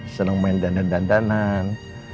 senang main dandan dandanan